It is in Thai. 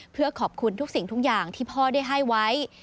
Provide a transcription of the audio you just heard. เพื่อขอบคุณทุกสิ่งทุกอย่างที่พ่อได้ให้ไว้